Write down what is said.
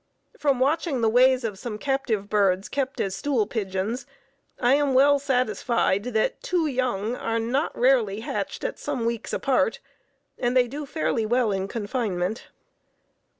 From watching the ways of some captive birds kept as stool pigeons, I am well satisfied that two young are not rarely hatched at some weeks apart, and they do fairly well in confinement.